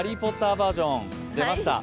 バージョン出ました。